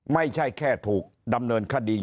ไม่ใช่แค่ถูกดำเนินคดีอย่างนี้นะครับ